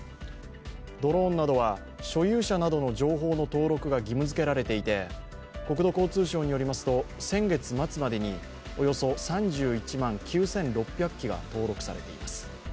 ドローンなどは所有者などの情報の登録が義務づけられていて国交省によりますと先月末までにおよそ３１万９６００機が登録されています。